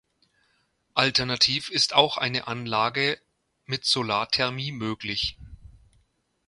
Alternativ ist auch eine Anlage mit Solarthermie möglich.